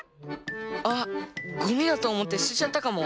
あっゴミだとおもってすてちゃったかも。